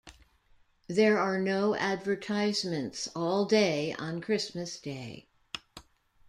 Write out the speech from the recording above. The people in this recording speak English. There are no advertisements all day on Christmas Day.